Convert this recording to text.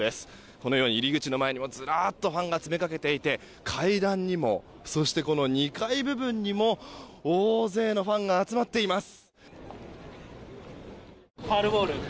このように入り口の前にもずらっとファンが詰めかけていて階段にも、そして２階部分にも大勢のファンが集まっています。